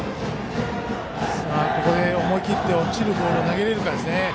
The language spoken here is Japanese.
ここで、思い切って落ちるボールを投げられるか。